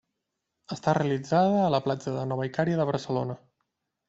Està realitzada en la platja Nova Icària de Barcelona.